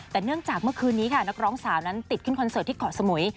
แต่เนื่องจากเมื่อคืนนี้ค่ะนักร้องสาวนั้นติดขึ้นคอนเสิร์ตที่เกาะสมุย